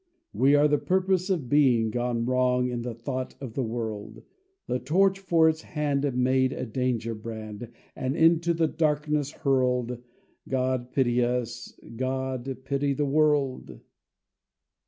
We are the Purpose of Being Gone wrong in the thought of the world. The torch for its hand made a danger brand And into the darkness hurled. God pity us; God pity the world.